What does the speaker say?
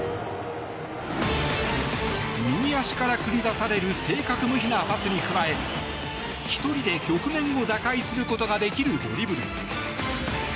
右足から繰り出される正確無比なパスに加え１人で局面を打開することができるドリブル。